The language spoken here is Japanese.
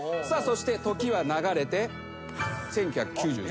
さあそして時は流れて。